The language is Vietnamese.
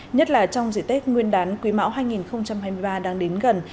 nhất là trong dịp tết nguyên đán quý mão hai nghìn hai mươi ba đang đến gần